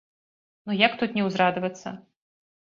Ну як тут не ўзрадавацца.